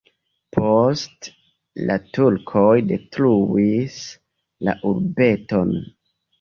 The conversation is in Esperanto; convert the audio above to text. Poste la turkoj detruis la urbeton.